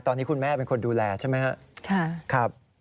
ตอนนี้คุณแม่เป็นคนดูแลใช่ไหมครับ